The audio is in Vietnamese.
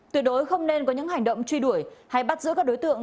tuyệt đối không nên có những hành động truy đuổi hay bắt giữ các đối tượng